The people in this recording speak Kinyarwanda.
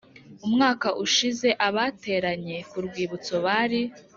Umwaka ushize abateranye ku Rwibutso bari